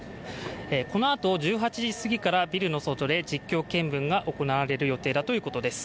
このあと１８時過ぎからビルの外で実況見分が行われるということです。